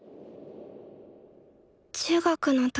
中学の時